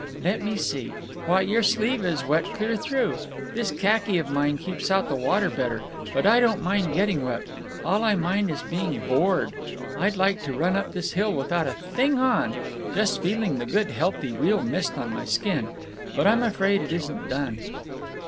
"Let me see. Why, your sleeve is wet clear through. This khaki of mine keeps out the water better…. But I don't mind getting wet. All I mind is being bored. I'd like to run up this hill without a thing on—just feeling the good healthy real mist on my skin. But I'm afraid it isn't done."